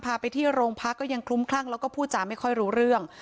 พาไปที่โรงพักก็ยังคลุ้มคลั่งแล้วก็พูดจาไม่ค่อยรู้เรื่อง